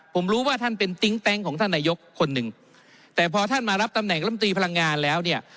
ผมรู้ว่าท่านเป็นติ๊งแต๊งของท่านนายกคนหนึ่งแต่พอท่านมารับตำแหนลำตีพลังงานแล้วเนี่ย